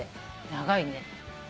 長いね。